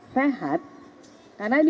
sehat karena ini